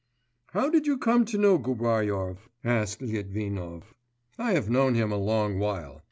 'How did you come to know Gubaryov?' asked Litvinov. 'I have known him a long while.